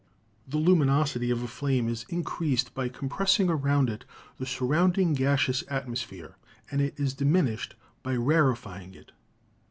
The luminosity of a flame is increased by compressing around it the surrounding gaseous atmosphere, and it is diminished by rarefying it.